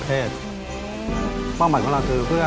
ไปดูกันค่ะว่าหน้าตาของเจ้าปาการังอ่อนนั้นจะเป็นแบบไหน